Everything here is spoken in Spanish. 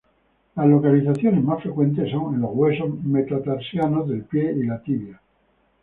Las localizaciones más frecuentes son en los huesos metatarsianos del pie y la tibia.